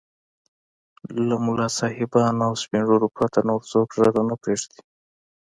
له ملا صاحبانو او سپين ږيرو پرته نور څوک ږيره نه پرېږدي.